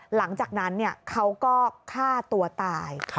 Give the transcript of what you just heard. หลังจากนั้นเขาก็ฆ่าตัวตาย